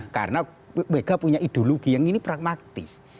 karena mega punya ideologi yang ini pragmatis